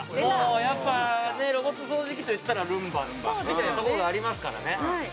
やっぱねロボット掃除機といったらルンバみたいなとこがありますからね